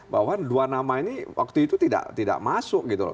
bahwa dua nama ini waktu itu tidak masuk gitu loh